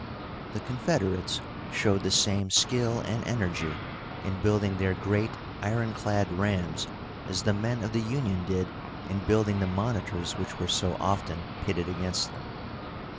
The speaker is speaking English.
The Confederates showed the same skill and energy in building their great ironclad rams as the men of the Union did in building the monitors which were so often pitted against them.